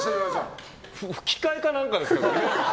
吹き替えか何かですか？